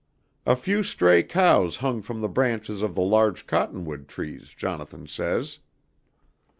"A few stray cows hung from the branches of the large cottonwood trees, Jonathan says...."